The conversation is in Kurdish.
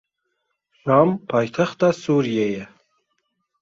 Şam paytexta Sûriyê ye.